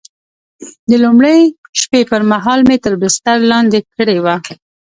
د لومړۍ شپې پر مهال مې تر بستر لاندې کړې وه.